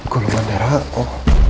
golongan darah aku